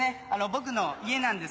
僕の家なんですけど。